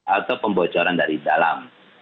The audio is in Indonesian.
atau pembocoran dari dalam